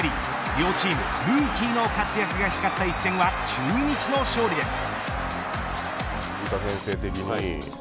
両チーム、ルーキーの活躍が光った一戦は中日の勝利です。